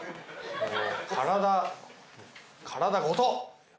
体体ごと。